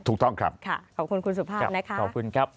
ถูกต้องครับค่ะขอบคุณคุณสุภาพนะคะขอบคุณครับ